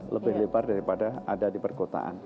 lebih lebar daripada ada di perkotaan